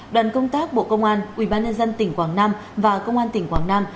đoàn công tác bộ công an ubnd tỉnh quảng nam và công an tỉnh quảng nam